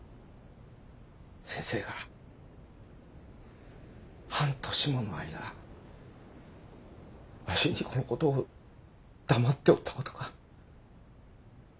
先生が半年もの間わしにこのことを黙っておったことが残念でならん。